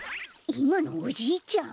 いまのおじいちゃん？